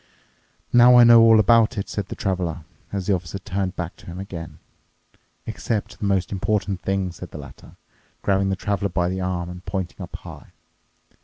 "Now I know all about it," said the Traveler, as the Officer turned back to him again. "Except the most important thing," said the latter, grabbing the Traveler by the arm and pointing up high.